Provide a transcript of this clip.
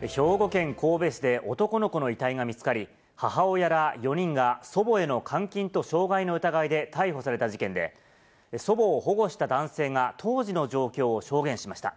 兵庫県神戸市で男の子の遺体が見つかり、母親ら４人が祖母への監禁と傷害の疑いで逮捕された事件で、祖母を保護した男性が、当時の状況を証言しました。